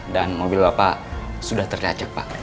dan mobil bapak sudah tercacat pak